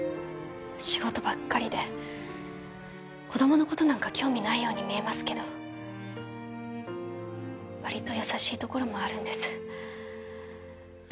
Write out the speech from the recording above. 仕事ばっかりで子どものことなんか興味ないように見えますけどわりと優しいところもあるんです